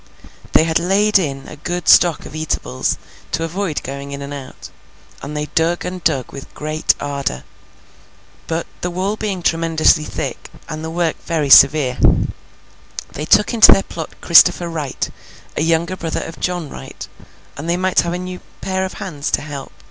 They had laid in a good stock of eatables, to avoid going in and out, and they dug and dug with great ardour. But, the wall being tremendously thick, and the work very severe, they took into their plot Christopher Wright, a younger brother of John Wright, that they might have a new pair of hands to help.